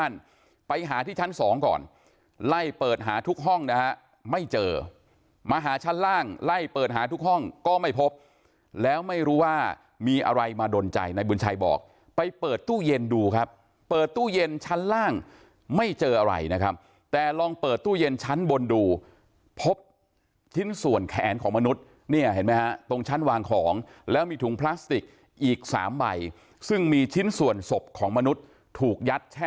ไปหาที่ชั้นสองก่อนไล่เปิดหาทุกห้องนะฮะไม่เจอมาหาชั้นล่างไล่เปิดหาทุกห้องก็ไม่พบแล้วไม่รู้ว่ามีอะไรมาดนใจนายบุญชัยบอกไปเปิดตู้เย็นดูครับเปิดตู้เย็นชั้นล่างไม่เจออะไรนะครับแต่ลองเปิดตู้เย็นชั้นบนดูพบชิ้นส่วนแขนของมนุษย์เนี่ยเห็นไหมฮะตรงชั้นวางของแล้วมีถุงพลาสติกอีกสามใบซึ่งมีชิ้นส่วนศพของมนุษย์ถูกยัดแ